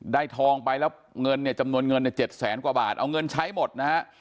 ทองไปแล้วเงินเนี่ยจำนวนเงินเนี่ย๗แสนกว่าบาทเอาเงินใช้หมดนะฮะ